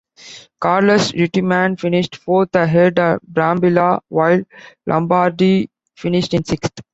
Carlos Reutemann finished fourth ahead of Brambilla, while Lombardi finished in sixth.